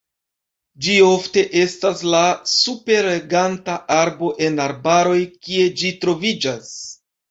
Ĝi ofte estas la superreganta arbo en arbaroj kie ĝi troviĝas.